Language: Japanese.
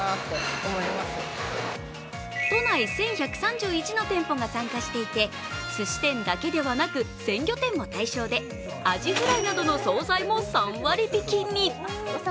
都内１１３１の店舗が参加していてすし店だけではなく鮮魚店も対象で、アジフライなどの総菜も３割引きに。